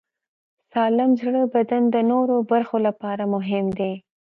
سالم زړه د بدن د نورو برخو لپاره مهم دی.